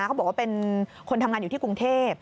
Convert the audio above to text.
เขาบอกว่าเป็นคนทำงานอยู่ที่กรุงเทพ